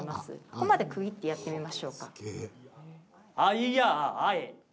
ここまで区切ってやってみましょうか。